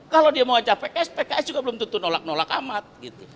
kalau dia mau ajak pks pks juga belum tentu nolak nolak amat